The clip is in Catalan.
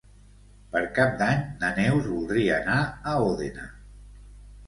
Per Cap d'Any na Neus voldria anar a Òdena.